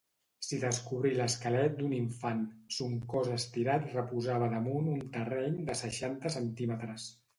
S'hi descobrí l'esquelet d'un infant: son cos estirat reposava damunt un terreny de seixanta centímetres.